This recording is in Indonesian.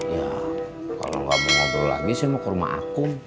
ya kalau tidak mau ngobrol lagi saya mau ke rumah akum